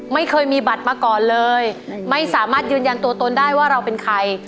ไม่เคยมีบัตรมาก่อนเลยไม่สามารถยืนยันตัวตนได้ว่าเราเป็นใคร